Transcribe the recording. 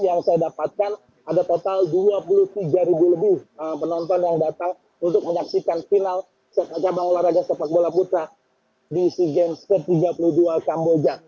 yang saya dapatkan ada total dua puluh tiga ribu lebih penonton yang datang untuk menyaksikan final sepak bola putra di sea games ke tiga puluh dua kamboja